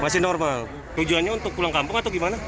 masih normal tujuannya untuk pulang kampung atau gimana